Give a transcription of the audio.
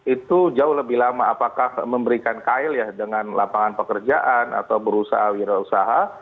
itu jauh lebih lama apakah memberikan kail ya dengan lapangan pekerjaan atau berusaha wirausaha